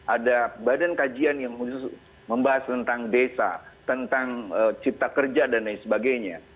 ada badan kajian yang khusus membahas tentang desa tentang cipta kerja dan lain sebagainya